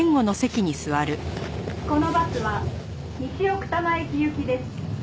「このバスは西奥多摩駅行きです」